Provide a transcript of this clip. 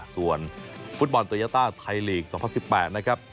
ส่วนฟุตบอลโตยาต้าไทยลีก๒๐๑๘นะครับ